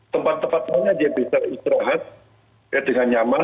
tempat tempatnya dia bisa istirahat dengan nyaman